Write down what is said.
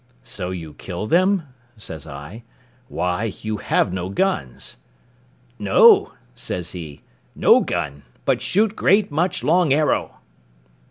"So you kill them?" says I; "why, you have no guns."—"No," says he, "no gun, but shoot great much long arrow."